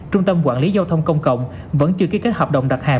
trung tâm quản lý giao thông công cộng vẫn chưa ký kết hợp đồng đặt hàng